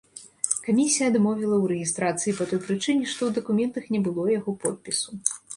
Камісія адмовіла ў рэгістрацыі па той прычыне, што ў дакументах не было яго подпісу.